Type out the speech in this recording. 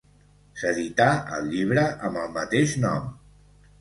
S'edità el llibre, amb el mateix nom.